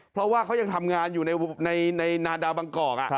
เพราะว่าเขายังทำงานอยู่ในนาดาวบางกอก